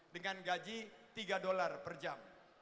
dengan gaji tiga dolar per jam